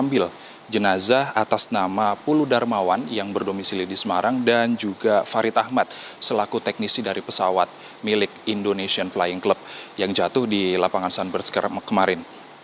pesawat jatuh dengan nomor registrasi pkifp yang jatuh di lapangan sunburst bsd tangerang